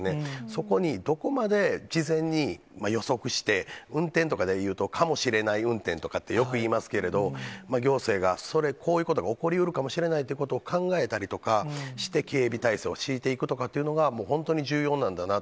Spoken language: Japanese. そこにどこまで事前に予測して、運転とかでいうと、かもしれない運転とかってよく言いますけれど、行政がそれ、こういうことが起こりうるかもしれないということを考えたりとかして、警備態勢を敷いていくとかというのが、本当に重要なんだな